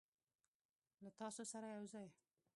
له تا سره یوځای